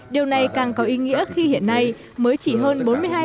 điều này càng có ý nghĩa khi hiện nay mới chỉ hơn bốn mươi hai